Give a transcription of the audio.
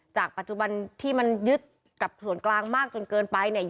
ปัจจุบันที่มันยึดกับส่วนกลางมากจนเกินไปเนี่ย